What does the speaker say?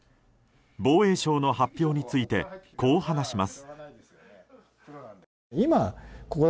防衛省の発表についてこう話します。